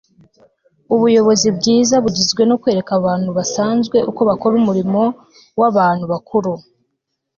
ubuyobozi bwiza bugizwe no kwereka abantu basanzwe uko bakora umurimo w'abantu bakuru. - john d. rockefeller